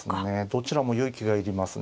どちらも勇気がいりますね。